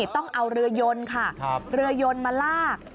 ต้องเอาเรือยนค่ะเรือยนมาลาก